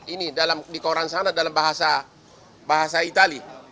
ini dalam di koran sana dalam bahasa bahasa itali